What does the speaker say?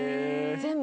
全部。